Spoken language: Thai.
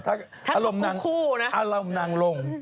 ถ้าอารมณ์นางลง